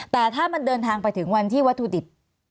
แต่ถ้ามันเดินทางไปถึงวันที่วัตถุดิบ